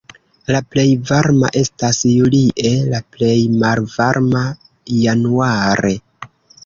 La plej varma estas julie, la plej malvarma januare.